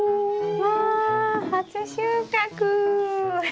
わ初収穫。